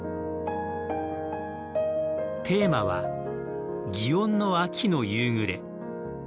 テーマは「祇園の秋の夕暮れ」。